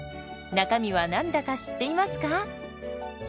中身は何だか知っていますか？